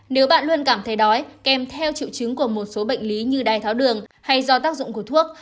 nếu bạn luôn cảm thấy đói kèm theo triệu chứng của một số bệnh lý như đai tháo đường hay do tác dụng của thuốc